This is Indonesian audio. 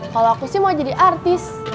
kalau aku sih mau jadi artis